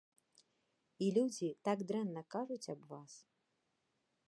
І людзі так дрэнна кажуць аб вас.